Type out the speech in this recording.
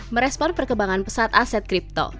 merespon perkembangan pesat aset kripto